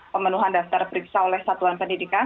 pemenuhan daftar periksa oleh satuan pendidikan